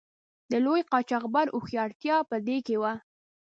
د لوی قاچاقبر هوښیارتیا په دې کې وه.